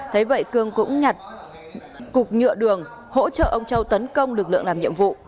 thế vậy cương cũng nhặt cục nhựa đường hỗ trợ ông châu tấn công lực lượng làm nhiệm vụ